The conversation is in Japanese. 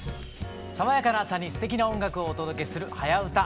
爽やかな朝にすてきな音楽をお届けする「はやウタ」。